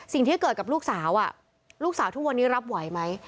สิ่งที่เกิดกับลูกสาวลูกสาวทุกวันนี้รับไหวไหม